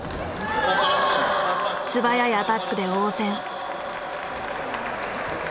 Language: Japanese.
素早いアタックで応戦。